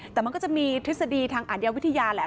แต่มันก็จะมีทฤษฎีทางอาทยาวิทยาแหละ